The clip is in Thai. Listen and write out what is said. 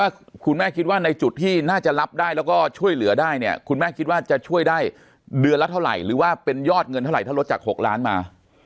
ถ้าคุณแม่คิดว่าในจุดที่น่าจะรับได้แล้วก็ช่วยเหลือได้เนี่ยคุณแม่คิดว่าจะช่วยได้เดือนละเท่าไหร่หรือว่าเป็นยอดเงินเท่าไหร่ถ้าลดจาก๖ล้านมา